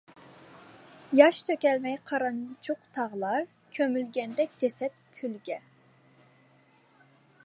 ياش تۆكەلمەي قارانچۇق تاغلار، كۆمۈلگەندەك جەسەت كۈلىگە.